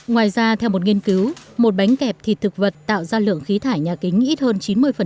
ngoài ra theo một nghiên cứu một bánh kẹp thịt thực vật tạo ra lượng khí thải nhà kính ít hơn chín mươi